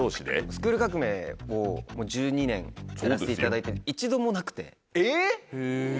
『スクール革命！』をもう１２年やらせていただいて一度もなくて。